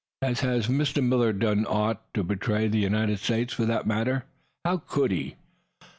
Has has Mr. Millard done aught to betray the United States? For that matter, how could he?"